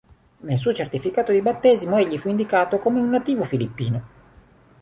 Nel suo certificato di battesimo egli fu indicato come un nativo filippino.